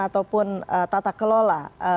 ataupun tata kelola